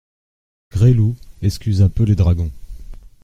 Gresloup excusa peu les dragons.